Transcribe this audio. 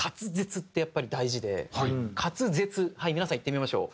はい皆さん言ってみましょう。